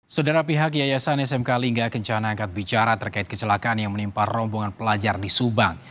saudara pihak yayasan smk lingga kencana angkat bicara terkait kecelakaan yang menimpa rombongan pelajar di subang